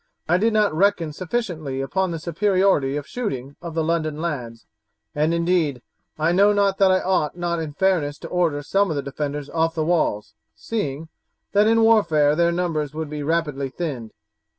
I did not reckon sufficiently upon the superiority of shooting of the London lads, and, indeed, I know not that I ought not in fairness to order some of the defenders off the walls, seeing, that in warfare, their numbers would be rapidly thinned.